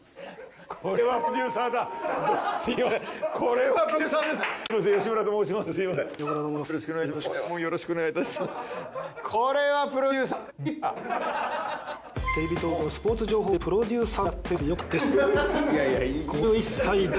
これはプロデューサーだ。